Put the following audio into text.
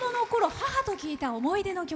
母と聴いた思い出の曲。